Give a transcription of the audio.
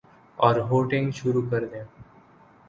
اورہوٹنگ شروع کردیں۔